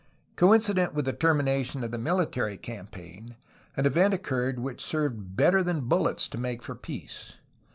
Coincident with the termination of the military campaign an event occurred which served better than bullets to make for peace.